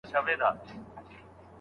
ښایي ډېره ډوډۍ ماڼۍ ته وړل سوې وي.